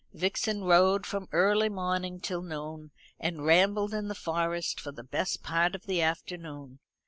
Vixen rode from early morning till noon, and rambled in the Forest for the best part of the afternoon.